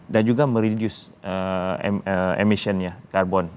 dan juga mereduce emissionnya karbon